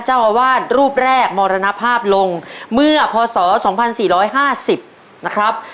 เจ้าอาวาสรูปแรกมรณภาพลงเมื่อพศ๒๔๕๐นะครับ